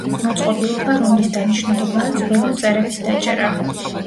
მოწყობილობა, რომლის დანიშნულებაა წვრილი მწერების დაჭერა.